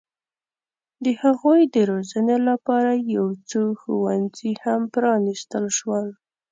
د هغوی د روزنې لپاره یو څو ښوونځي هم پرانستل شول.